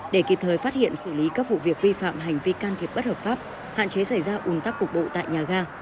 để kịp thời phát hiện xử lý các vụ việc vi phạm hành vi can thiệp bất hợp pháp hạn chế xảy ra ủn tắc cục bộ tại nhà ga